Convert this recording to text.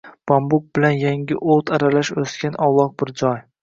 Bambuk bilan yangi o’t aralash o‘sgan ovloq bir joy.